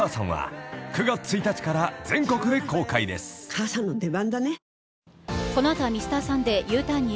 母さんの出番だね。